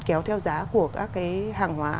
kéo theo giá của các cái hàng hóa